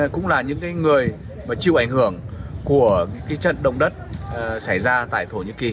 cũng là những cái người mà chịu ảnh hưởng của cái trận đồng đất xảy ra tại thổ nhĩ kỳ